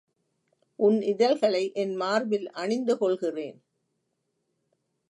உன் இதழ்களை என் மார்பில் அணிந்து கொள்கிறேன்.